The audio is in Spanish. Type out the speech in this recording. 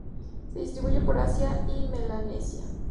Se distribuyen por Asia y Melanesia.